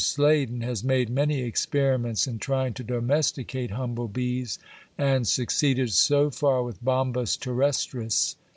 Sladen has made many experiments in trying to domesticate humble bees, and succeeded so far with Bombus terrestris (pl.